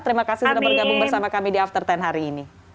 terima kasih sudah bergabung bersama kami di after sepuluh hari ini